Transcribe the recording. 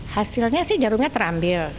hasilnya sih jarumnya terambil